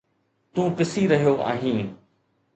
تون پسي رهيو آهين